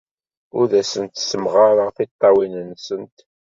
Ur asent-ssemɣareɣ tiṭṭawin-nsent.